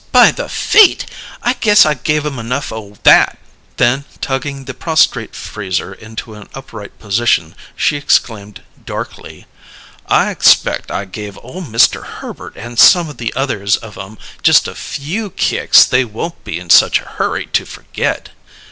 By the feet! I guess I gave 'em enough o' that!" Then, tugging the prostrate freezer into an upright position, she exclaimed darkly: "I expect I gave ole Mister Herbert and some of the others of 'em just a few kicks they won't be in such a hurry to forget!"